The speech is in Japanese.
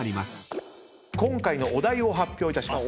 今回のお題を発表いたします。